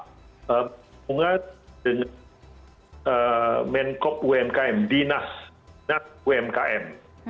hubungan dengan menkop umkm dinas umkm